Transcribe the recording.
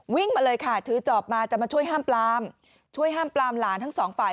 วิ่งมาเลยค่ะถือจอบมาจะมาช่วยห้ามปลามช่วยห้ามปลามหลานทั้งสองฝ่าย